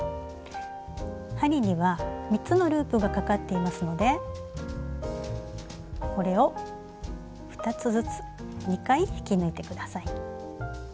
針には３つのループがかかっていますのでこれを２つずつ２回引き抜いて下さい。